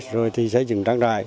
rồi xây dựng trang trại